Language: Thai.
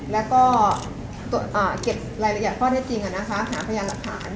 แล้วก็เก็บรายละเอียดข้อได้จริงอะนะคะหาพยานหลักฐาน